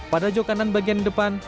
pada jo kanan bagian depan